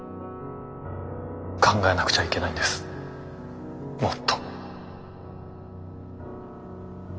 考えなくちゃいけないんですもっと。